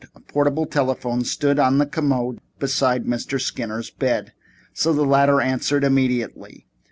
A portable telephone stood on a commode beside Mr. Skinner's bed, so the latter answered immediately.